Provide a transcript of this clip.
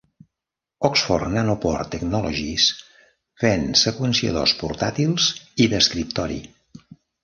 Oxford Nanopore technologies ven seqüenciadors portàtils i d'escriptori.